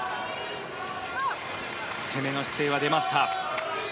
攻めの姿勢が出ました。